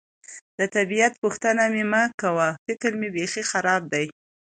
د طبیعت پوښتنه مې مه کوه، فکر مې بېخي خراب دی.